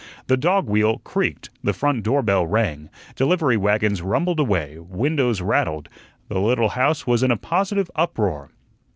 The dog wheel creaked, the front door bell rang, delivery wagons rumbled away, windows rattled the little house was in a positive uproar.